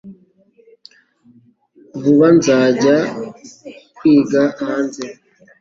vuba nzajya kwiga hanze